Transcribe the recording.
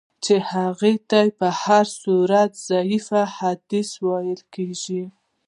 چي هغه ته په هر صورت ضعیف حدیث ویل کیږي.